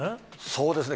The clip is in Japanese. そうですね。